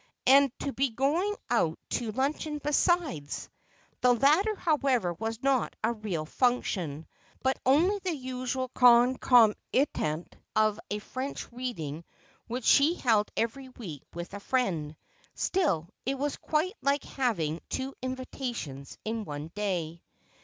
And to be going out to luncheon besides! The latter, however, was not a real function, but only the usual concomitant of a French reading which she held every week with a friend—still, it was quite like having two invitations in one day.